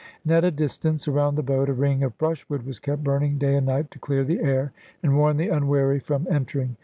And at a distance around the boat, a ring of brushwood was kept burning, day and night, to clear the air, and warn the unwary from entering.